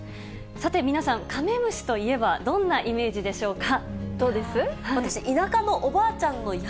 さて皆さん、かめむしといえばどんなイメージでしょうか。